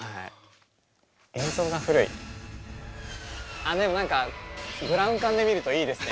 ああでも何かブラウン管で見るといいですね。